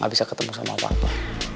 gak bisa ketemu sama papa